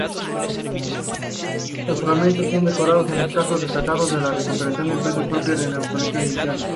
Los fragmentos decorados son escasos, destacando la decoración impresa, propia del Neolítico Inicial.